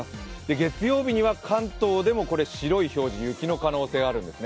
月曜日には関東でも白い表示、雪の可能性があるんですね。